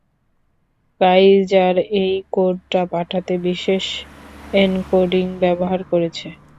কাইযার এই কোডটা পাঠাতে বিশেষ এনকোডিং ব্যবহার করেছে।